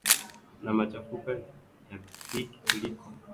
na machafuko na dhiki kuliko uhaba bila angalau